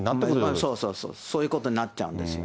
そうそう、そういうことになっちゃうんですね。